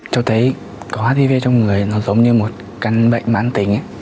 cháu thấy có hdv trong người nó giống như một căn bệnh mãn tính